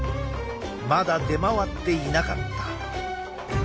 まだ出回っていなかった。